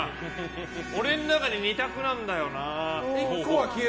俺の中で２択なんだよな。